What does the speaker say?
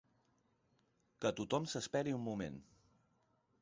Que tothom s'esperi un moment.